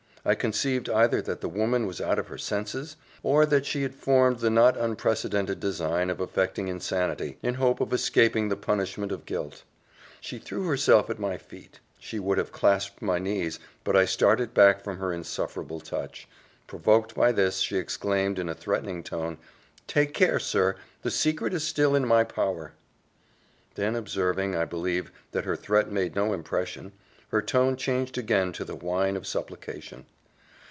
I conceived either that the woman was out of her senses, or that she had formed the not unprecedented design of affecting insanity, in hope of escaping the punishment of guilt: she threw herself at my feet she would have clasped my knees, but I started back from her insufferable touch; provoked by this, she exclaimed, in a threatening tone, "Take care, sir! The secret is still in my power." Then observing, I believe, that her threat made no impression, her tone changed again to the whine of supplication.